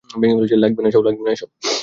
লাগবে না এসব।